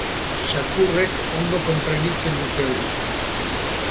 Zakurrek ondo konprenitzen dute hori.